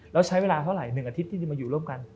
แล้วใช้เวลาเท่าไหร่๑อาทิตย์ที่จะมาอยู่ร่วมกัน